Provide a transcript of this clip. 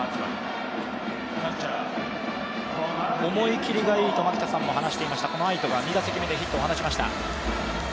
思い切りがいいと牧田さんも話していました愛斗が２打席目でヒットを放ちました。